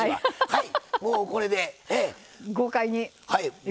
はい。